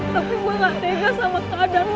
tapi gue gak tegas sama keadaan lo